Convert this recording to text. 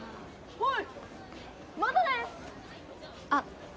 おい！